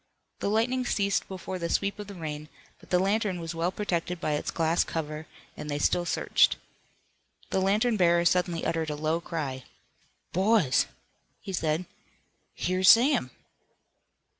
The lightning ceased before the sweep of the rain, but the lantern was well protected by its glass cover, and they still searched. The lantern bearer suddenly uttered a low cry. "Boys!" he said, "Here's Sam!"